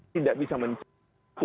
tidak bisa mencampuri itu